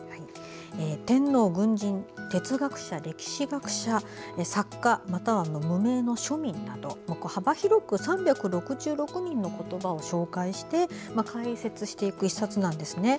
天皇、軍人、哲学者歴史学者、作家または無名の庶民など幅広く３６６人の言葉を紹介して解説していく１冊なんですね。